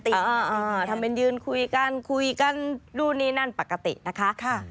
ทำยืนคุยกันคุยกันรู้นี้นั่นปกตินะคะ